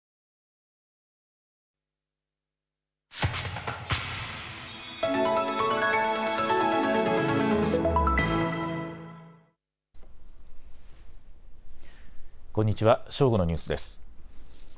正午のニュースです。